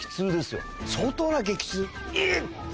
相当な激痛？